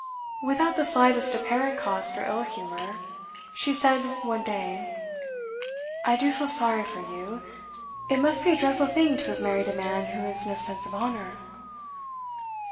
Without the slightest apparent cause for ill humour, she said one day: 'I do feel sorry for you; it must be a dreadful thing to have married a man who has no sense of honour.